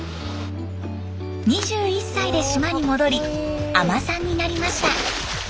２１歳で島に戻り海人さんになりました。